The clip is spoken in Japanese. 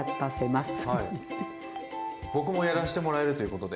僕もやらしてもらえるということで。